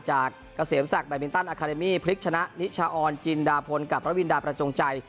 เกษมศักดิมินตันอาคาเดมี่พลิกชนะนิชาออนจินดาพลกับพระวินดาประจงใจ